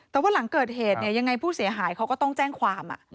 แต่ว่าหลังเกิดเหตุเนี่ยยังไงผู้เสียหายเขาก็ต้องแจ้งความ